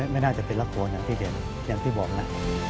ไม่น่าจะเป็นละครอย่างที่บอกนะ